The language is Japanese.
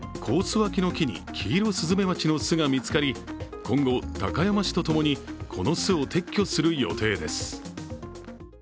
脇の木にキイロスズメバチの巣が見つかり、今後、高山市とともにこの巣を撤去する予定です。